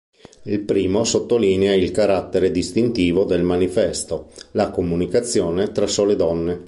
Il primo sottolinea il carattere distintivo del "Manifesto": la comunicazione tra sole donne.